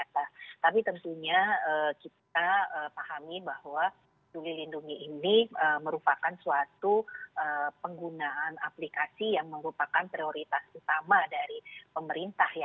tapi tentunya kita pahami bahwa peduli lindungi ini merupakan suatu penggunaan aplikasi yang merupakan prioritas utama dari pemerintah ya